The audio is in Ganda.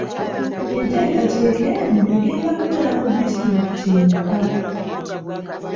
Entekateka eno egenda kubeera mu disitulikiti mmeka?